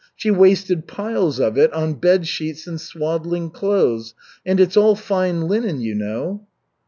She wasted piles of it on bed sheets and swaddling clothes, and it's all fine linen, you know."